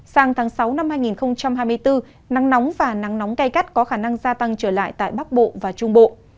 sang tháng sáu năm hai nghìn hai mươi bốn nắng nóng và nắng nóng cay gắt có khả năng gia tăng trở lại tại bắc bộ và trung bộ